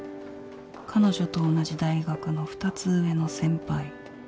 彼女と同じ大学の２つ上の先輩